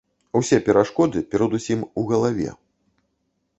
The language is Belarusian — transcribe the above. Усе перашкоды перадусім у галаве.